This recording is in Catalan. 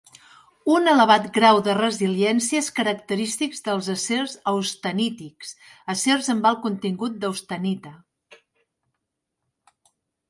Un elevat grau de resiliència és característic dels acers austenítics, acers amb alt contingut d'austenita.